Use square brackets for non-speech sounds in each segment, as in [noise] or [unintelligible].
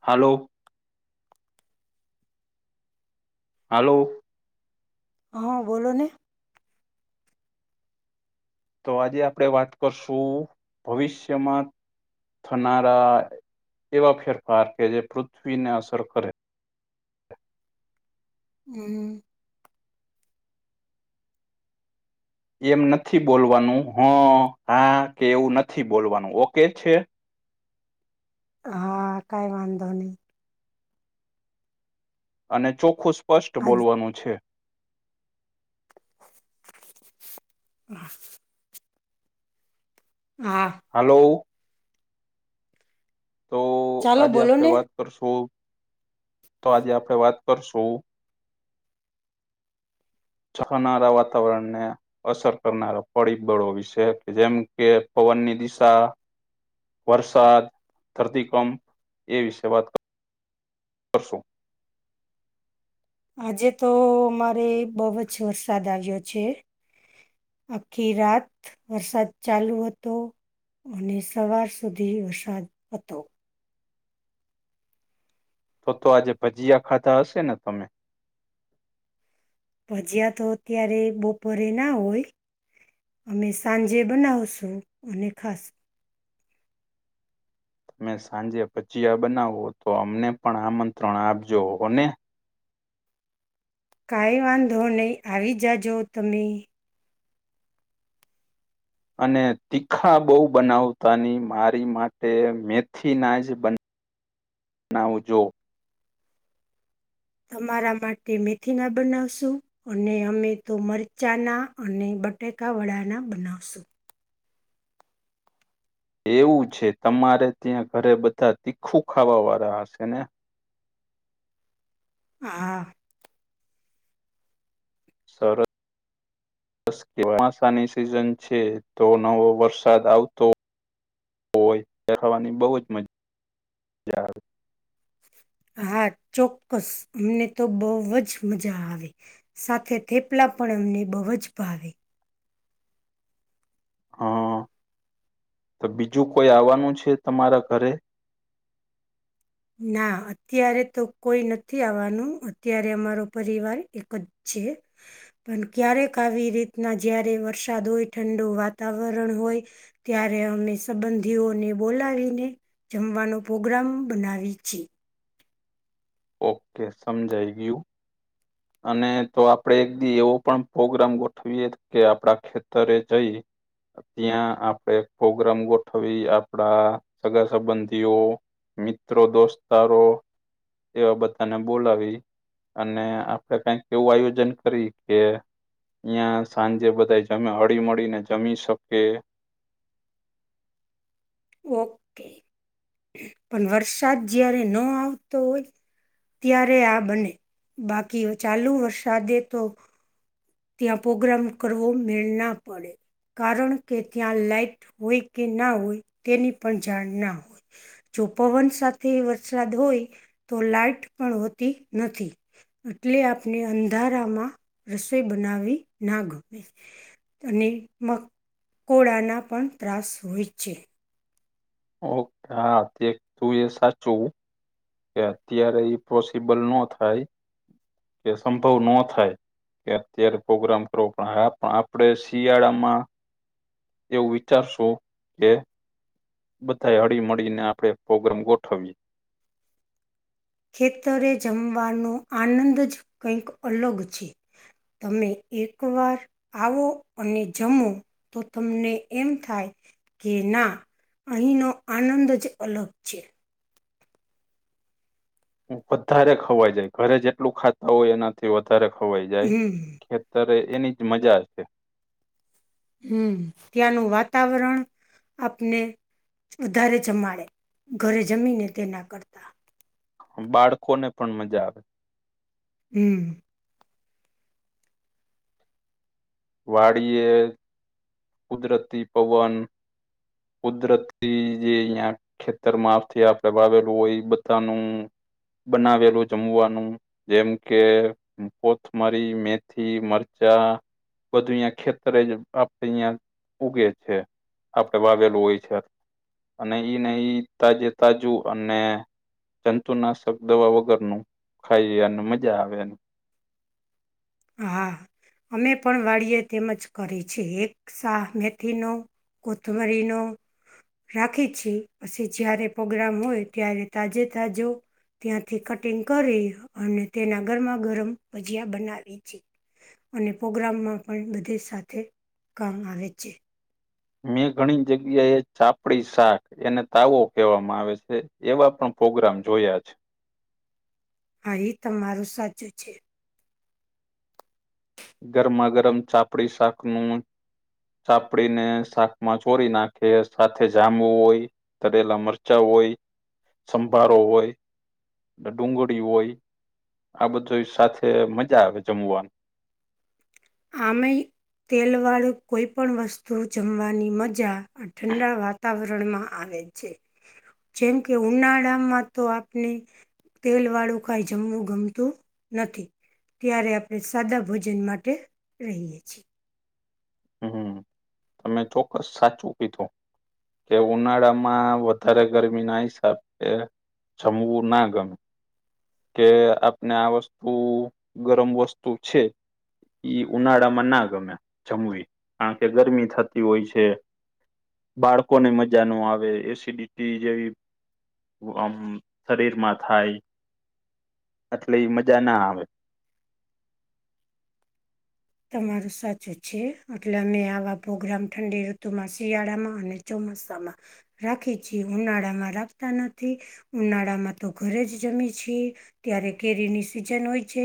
હાલો hello, હા બોલોને તો આજે આપણેે વાત કરશું ભવિષ્યમાં થનારા એવા ફેરફાર કે જે પૃથ્વીને અસર કરે. હું. એમ નથી બોલવાનું હ હા કે એવું નથી બોલવાનું ઓકે છે. હા કાઈ વાંધો નહીં. અને ચોખ્ખું સ્પષ્ટ આજ બોલવાનું છે. હા હા હાલો, તો ચાલો આજે બોલો આપે ને વાત કરશું તો આજે આપે વાત કરશું. ચકાનારા વાતાવરણને અસર કરનારા પરિબળો વિશે જેમ કે પવનની દિશા વરસાદ ધરતીકંપ એ વિશે વાત કરશું. આજે તો અમારે બહુ જ વરસાદ આવ્યો છે. આખી રાત વરસાદ ચાલુ હતો. અને સવાર સુધી વરસાદ હતો. તો તો આજે ભજીયા ખાધા હશે ને તમે. ભજીયા તો અત્યારે બપોરે ના હોય. અમે સાંજે બનાવશું અને ખાસ મે સાંજે પચયા બનાવો તો અમને પણ આમંત્રણ આપજો હોને કાંઈ વાંધો નહીં આવી જાજો તમે. અને તીખા બહુ બનાવતાની મારી માટે મેથી ના જ બ નાવજો. તમારા માટે મેથીના બનાવશું. અને અમે તો મરચાંના અને બટાકા વડાાના બનાવશું એવું છે તમારે ત્યાં ઘરે બધા તીખું ખાવા વાળા હશે ને હા સર બસચોમાસાની સિઝન છે તો નવો વરસાદ આવતો હોય દેખવાની બહુ જ મજા ચાર હા ચોક્કસ અમને તો બહુ જ મજા આવે સાથે થેપલા પણ એમને બહુ જ ભાવે હા તો બીજું કોઈ આવવાનું છે તમારા ઘરે ના અત્યારે તો કોઈ નથી આવવાનું અત્યારે અમારો પરિવાર એક જ છે પણ ક્યારેક આવી રીતના જયારે વરસાદ હોય ઠંડુ વાતાવરણ હોય ત્યારે અમે સંબંધીઓને બોલાવીને જમવાનો પ્રોગ્રામ બનાવ રીચી ઓકે સમજાઈ ગયું અને તો આપડે એક દી એવો પણ પ્રોગ્રામ ગોઠવીએ કે આપડા ખેતરે જઈ ત્યાં આપડે પ્રોગ્રામ ગોઠવી આપડા સગા સંબંધીઓ મિત્રો દોસ્તારો એવા બધાને બોલાવી અને આપડે કઈક એવું આયોજન કરી કે અહીં સાંજે બધા જમે હળી મળીને જમી શકે ઓકે પણ વરસાદ જયારે ન આવતો હોય ત્યારે આ બને બાકી ચાલુ વરસાદે તો ત્યાં પ્રોગ્રામ કરવો મેળ ના પડે કારણ કે ત્યાં લાાઈટ હોય કે ના હોય તેની પણ જાણ ના હોય જો પવન સાથે વરસાદ હોય તો લાઈટ પણ હોતી નથી એટલે આપણે અંધારામાં બનાવી ના ગમે અને મકોળા ના પણ ત્રાસ હોય છે ઓકે હા તે તું એ સાચું કે અત્યારે ઈ પોસિબલ ન થાય કે સંભવ ન થાય કે અત્યારે પ્રોગ્રામ કરો પણ આપ આપણેે શિયાળામાં એવું વિચારશું કે બધા હળી મળીને આપણેે પ્રોગ્રામ ગોઠવીએ ખેતરે જમવાનો આનંદ જ કંઈક અલગ છે તમે એક વાર આવો અને જમો તો તમને એમ થાય કે ના અહીંનો આનંદ જ અલગ છે વધારે ખવાઈ જાય ઘરે જેટલું ખાતા હોય એનાથી વધારે ખવાઈ જાય હમ ત્યારે એની જ મજા છે હમ ત્યાંનું વાતાવરણ આપને વધારે જમાડે ઘરે જમીને તેના કરતા બાળકો ને પણ મજા આવે હમ વાડી એ કુદરતી પવન કુદરતી જે અહીયા [unintelligible] ખેતર માં આપથી આપણે વાવેલું હોય બધાનું બનાવેલું જમવાનું જેમ કે કોથમરી મેથી મરચાં બધું અંયા ખેતરે જ આપ અહિયાં ઉગે છે આપડે વાવેલું હોય છે અને ઈ ન ઈ તાજે તાજું અને જંતુનાશક દવા વગરનું ખાઈ અને મજા આવે હા [inaudible] અમે પણ વાળીયે તેમજ કરીએ છેીએ એક સાહ મેથીનોો કોથબરીનો રાખી છેી પછી જય્યારે પ્રગ્રામ હોય ત્યારે તાજે તાજો ત્યાંથી કટિંગ કરી અને તેના ગરમા ગરમ ભજીયા બનાવી [inaudible] અને પ્રગ્રામમાં પણ બધે સાથે કામ આવે છે મેં ઘણી જગ્યા એ ચાપડી શાક એને તાવો કહેવામાં આવે છે એવા પણ પ્રોગ્રામ જોયા છે હા એ તમારું સાચું છે ગરમા ગરમ ચાપડી શાક નું ચાપડીને શાકમાં ચોરી નાખે સાથે જામવું હોય તરેલા મરચાં હોય સંભારો હોય ડુંગળી હોય આ બધું સાથે મજા આવે જમવાનું આમેય તેલવાળું કોઈ પણ વસ્તુ જમવાની મજા ઠંડા વાત વાતાવરણમાં આવે છે જેમ કે ઉનાળામાં તો આપણે તેલ વાળું કઈ જમવું ગમતું નથી ત્યારે આપણે સાદા ભોજન માટે રહીએ છીએ હમ તમે ચોક્કસ સાચું કીધું કે ઉનાળામાં વધારે ગરમી ના હિસાબ છે જમવું ના ગમે કે આપને આ વસ્તુ ગરમ વસ્તુ છે ઈ ઉનાળામાં ના ગમે જમવી કારણ કે ગરમી થતી હોય છે બાળકોને મજા ન આવે એસિડિટી જેવી આમ શરીરમાં થાય [inaudible] એટલી મજા ના આવે તમારું સાચું છે એટલે અમે આવા પ્રોગ્રામ ઠંડી ઋતુ માં શિયાળામાં અને ચોમાસામાં રાખી છે ઉનાળામાં રાખતા નથી ઉનાળામાં તો ઘરે જ જમી છીએ ત્યારે કેરીની સીઝન હોય છે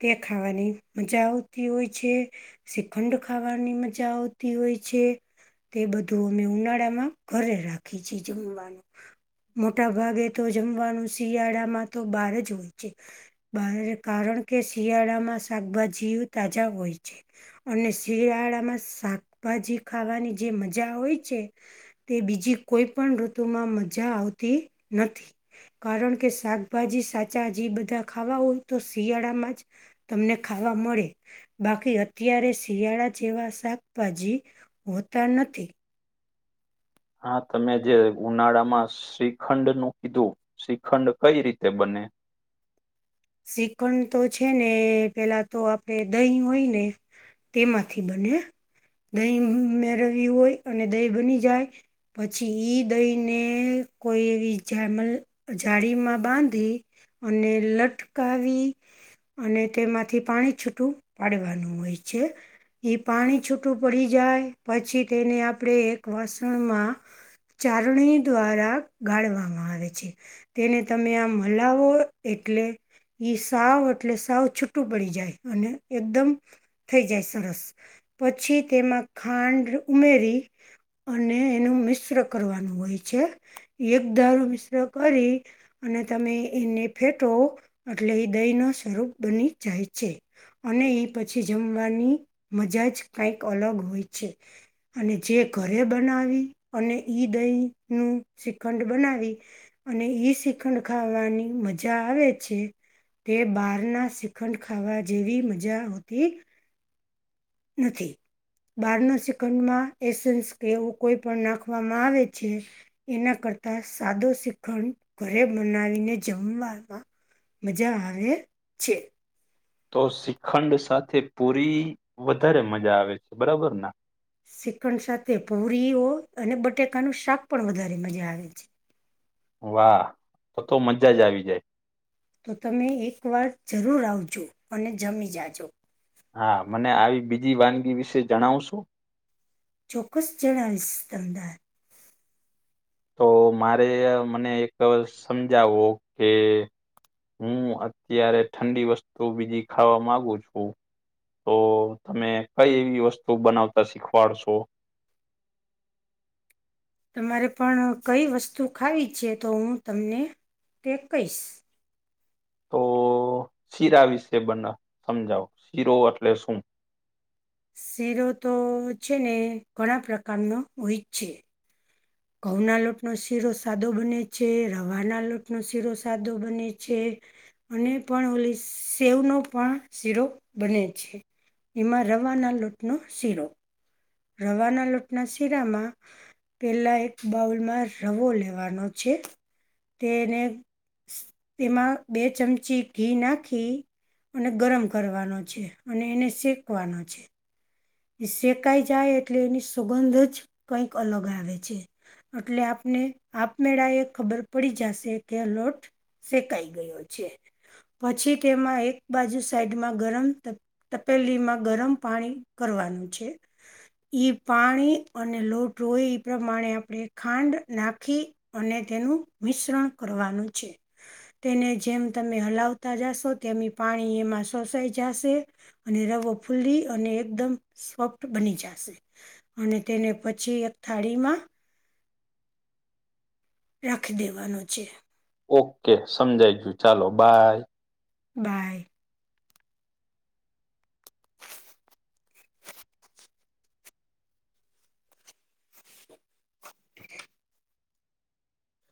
તે ખાવાની મજા આવતી હોય [unintelligible] શ્રીખંડ ખાવાની મજા આવતી હોય છે તે બધું અમે ઉનાળામાં ઘરે રાખી છીએ જમવાનું મોટા ભાગે તો જમવાનું શિયાળામાં તો બહાર જ હોય છે બ કારણ કે શિયાળામાં શાકભાજીઓ તાજા હોય છે અને શિયાળામાં શાકભાજી ખાવાની જે મજા હોય છે તે બીજી કોઈ પણ ઋતુમાં મજા આવતી નથી કારણ કે શાકભાજી સાચા જે બધા ખાવા હોય તો શિયાળામાં જ તમને ખાવા મળે બાકી અત્યારે શિયાળા જેવા શાકભાજી હોતા નથી હા તમે જે ઉનાળામાં શ્રીખંડનું કીધું શ્રીખંડ કઈ રીતે બને શ્રીખંડ તો છે ને પેલા તો આપડે દહીં હોય ને તેમાંથી બને દહીં મેળવ્યું હોય અને દહીં બની જાય પછી ઈ દઈ ને કોઈ એવી જમલ જાડી માં બાંધી અને લટકાવી અને તેમાંથી પાણી છૂટું પાડવાનું હોય છે એ પાણી છૂટું પડી જાય પછી તેને આપણે એક વાસણમાં ચારણી દ્વારા ગાળવામાં આવે છે તેને તમે આ મલાવો એટલે ઈ સાવ એટલે સાવ છૂટું પડી જાય અને એકદમ થઈ જાય સરસ પછી તેમાં ખાંડ ઉમેરી અને એનું મિશ્ર કરવાનું હોય છે એક દારૂ મિશ્ર કરી અને તમે એને ફેટો એટલે એ દહીં નું સ્વરૂપ બની જાય છે અને એ પછી જમવાની મજાજ કઈક અલગ હોય છે અને જે ઘરે બનાવી અને ઈ દહી નું શ્રીખંડ બનાવી અને એ શ્રીખંડ ખાવાની મજા આવે છે તે બહારના શ્રીખંડ ખાવા જેવી મજા હોતી નથી બારના શ્રીખંડમાં એસન્સ કે એવું કોઈ પણ નાખવામાં આવે છે એના કરતા સાદો શ્રીખંડ ઘરે બનાવીને જમવામાં મજા આવે છે તો શ્રીખંડ સાથે પૂરી વધારે મજા આવે છે બરાબર ના શ્રીખંડ સાથે પુરીઓ અને બટેકાનું શાક પણ વધારે મજા આવે છે વાહ તો તો મજાજ આવી જાય તો તમે એક વાર જરૂર આવજો અને જમી જાજો હા મને આવી બીજી વાનગી વિશે જણાવશું ચોક્કસ જણાવીશ તમને તો મારે મને એક સમજાવવું કે હું અત્યારે ઠંડી વસ્તુ બીજી ખાવા માંગુ છું તો તમે કઈ એવી વસ્તુ બનાવતા શીખવાડશો તમારે પણ કઈ વસ્તુ ખાવી છે તો હું તમને તે કહીશ તો શીરા વિશે બને સમજાવો શીરો એટલે શું શીરો તો છે ને ઘણા પ્રકારનો હોય છે ઘઉ ના લોટ નો શીરો સાદો બને છે રવાના લોટ નો શીરો સાદો બને છે અને પણ ઓલી સેવ નો પણ સીરો બને છે એમાં રવાના લોટનો શીરો રવાના લોટના શીરામાં પેલા એક બાઉલમાં રવો લેવાનો છે તેને તેમાં બે ચમચી ઘી નાખી અને ગરમ કરવાનો છે અને એને શેકવાનો છે શેકાઈ જાય એટલે એની સુગંધ જ કઈક અલગ આવે છે એટલે આપને આપમેળા એ ખબર પડી જશે કે અલોટ શેકાઈ ગયો છે પછી તેમાં એક બાજુ સાઈડમાં ગરમ તપેલીમાં ગરમ પાણી કરવાનું છે એ પાણી અને લોટ હોય એ પ્રમાણે આપણે ખાંડ નાખી અને તેનું મિશ્રણ કરવાનું છે તેને જેમ તમે હલાવતા જશો તેમ એ પાણી એમાં સોસાઈ જશે અને રવો ફુલ્લી અને એક એકદમ સોફ્ટ બની જશે અને તેને પછી એક થાળીમાં રાખી દેવાનો છે ઓકે સમજાઈ ગું ચાલો બાય બાય [inaudible]